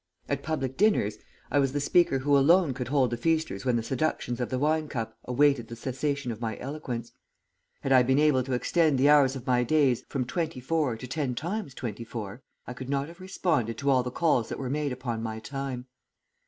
At public dinners I was the speaker who alone could hold the feasters when the seductions of the wine cup awaited the cessation of my eloquence. Had I been able to extend the hours of my days from twenty four to ten times twenty four, I could not have responded to all the calls that were made upon my time.